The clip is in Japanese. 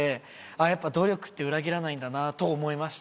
やっぱ努力って裏切らないんだなと思いました。